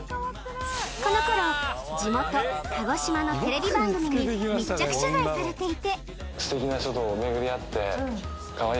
この頃地元鹿児島のテレビ番組に密着取材されていて